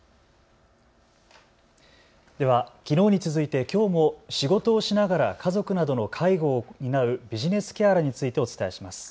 では、きのうに続いてきょうも仕事をしながら家族などの介護を担うビジネスケアラーについてお伝えします。